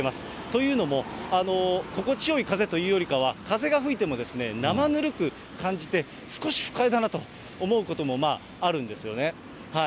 というのも、心地よい風というよりかは、風が吹いても生ぬるく感じて、少し不快だなと思うこともあるんですよね。